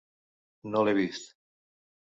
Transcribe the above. No l'he vist.